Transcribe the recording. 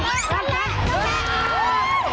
โอ้โฮโอ้โฮโอ้โฮ